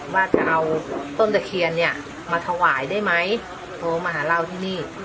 ว่าจะเอาต้นตะเคียนเนี่ยมาถวายได้ไหมโทรมาหาเราที่นี่